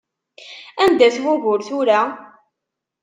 Anda-t wugur tura?